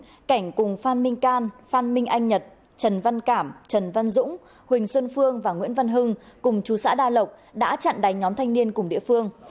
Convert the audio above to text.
năm hai nghìn một mươi bốn cảnh cùng phan minh can phan minh anh nhật trần văn cảm trần văn dũng huỳnh xuân phương và nguyễn văn hưng cùng chú xã đa lộc đã chặn đánh nhóm thanh niên cùng địa phương